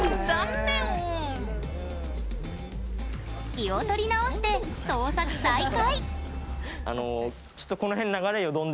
気を取り直して、捜索再開。